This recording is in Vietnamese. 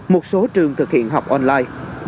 một số trường thực hiện học online